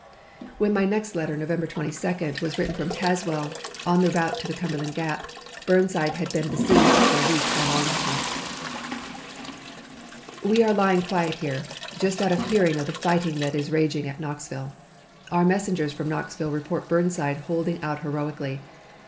When my next letter November 22 was written from Tazewell, on the route to Cumberland Gap, Burnside had been besieged for a week by Longstreet: "We are lying quiet here, just out of hearing of the fighting that is raging at Knoxville. Our messengers from Knoxville report Burnside holding out heroically.